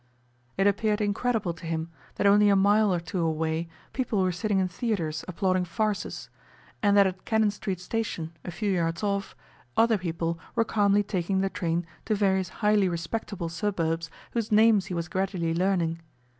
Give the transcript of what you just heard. It appeared incredible to him that only a mile or two away people were sitting in theatres applauding farces, and that at Cannon Street Station, a few yards off, other people were calmly taking the train to various highly respectable suburbs whose names he was gradually learning.